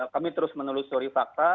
kami terus menelusuri fakta